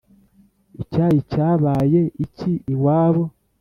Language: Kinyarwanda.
Icyayi cyabaye iki iwabo?